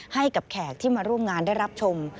แขกที่มาร่วมงานได้รับชม